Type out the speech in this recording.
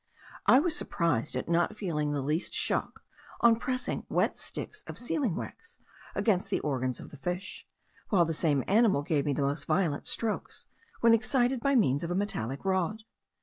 I was surprised at not feeling the least shock on pressing wet sticks of sealing wax against the organs of the fish, while the same animal gave me the most violent strokes, when excited by means of a metallic rod.